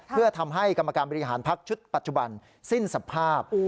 เพื่อทำให้กรรมการบริหารพักชุดปัจจุบันสิ้นสภาพ